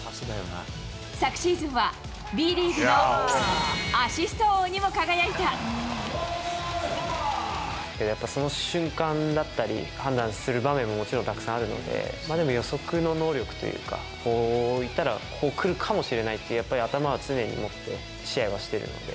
昨シーズンはＢリーグのアシストやっぱ、その瞬間だったり、判断する場面も、もちろんたくさんあるので、でも予測の能力というか、こう行ったら、こう来るかもしれないって、やっぱり頭は常に持って試合はしているので。